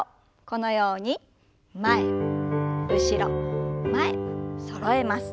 このように前後ろ前そろえます。